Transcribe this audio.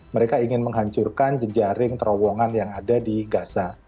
mereka ingin menghancurkan jejaring terowongan yang ada di gaza